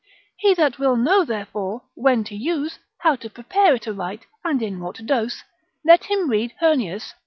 He that will know, therefore, when to use, how to prepare it aright, and in what dose, let him read Heurnius lib.